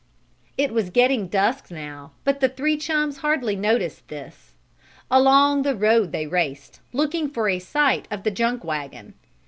It was getting dusk now, but the three chums hardly noticed this. Along the road they raced, looking for a sight of the junk wagon.